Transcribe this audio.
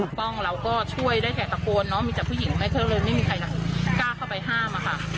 ป้องเราก็ช่วยได้แค่ตะโกนเนอะมีแต่ผู้หญิงไหมเธอก็เลยไม่มีใครกล้าเข้าไปห้ามอะค่ะ